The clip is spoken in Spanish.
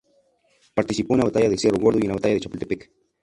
Participó en la batalla de cerro gordo y en la batalla de Chapultepec.